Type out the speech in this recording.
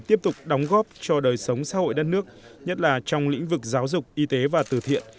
tiếp tục đóng góp cho đời sống xã hội đất nước nhất là trong lĩnh vực giáo dục y tế và tử thiện